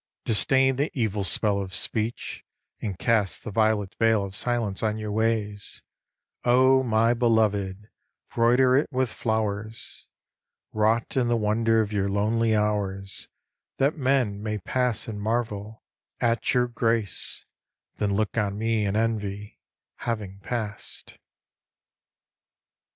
Disdain the evil spell of speech, and cast The violet veil of silence on your ways, O my beloved ; broider it with flowers Wrought in the wonder of your lonely hours, That men may pass and marvel at your grace, Then look on mo and envy, having passed.